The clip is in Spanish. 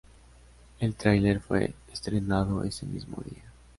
El tráiler fue estrenado ese mismo día.